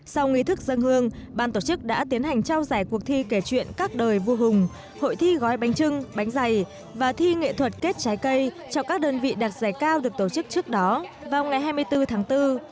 sau nghi thức dân hương ban tổ chức đã tiến hành trao giải cuộc thi kể chuyện các đời vua hùng hội thi gói bánh trưng bánh dày và thi nghệ thuật kết trái cây cho các đơn vị đạt giải cao được tổ chức trước đó vào ngày hai mươi bốn tháng bốn